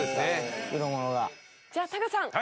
じゃあタカさん